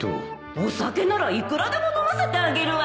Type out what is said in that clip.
お酒ならいくらでも飲ませてあげるわよ